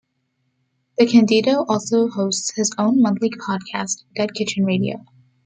DeCandido also hosts his own monthly podcast, Dead Kitchen Radio.